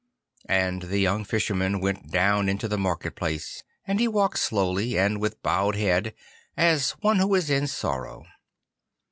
And the young Fisherman went down into the market place, and he walked slowly, and with bowed head, as one who is in sorrow.